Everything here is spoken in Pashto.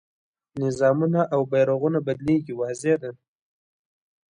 نظامونه او بیرغونه بدلېږي واضح ده.